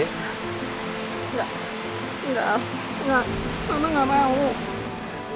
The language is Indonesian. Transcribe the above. tidak tidak ma mama tidak mau